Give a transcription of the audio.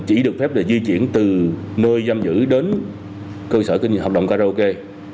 chỉ được phép là di chuyển từ nơi giam giữ đến cơ sở kinh doanh hợp đồng karaoke